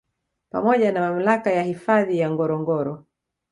Pamoja na Mamlaka ya Hifadhi ya Ngorongoro